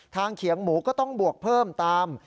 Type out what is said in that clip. เขียงหมูก็ต้องบวกเพิ่มตาม